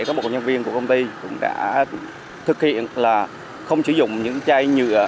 các bộ nhân viên của công ty cũng đã thực hiện là không sử dụng những chai nhựa